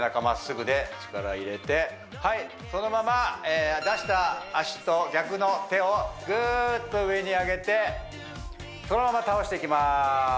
まっすぐで力入れてはいそのまま出した足と逆の手をグーッと上に上げてそのまま倒していきます